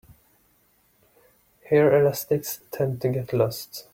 Hair elastics tend to get lost.